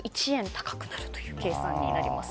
高くなる計算になります。